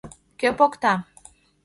— Кӧ покта?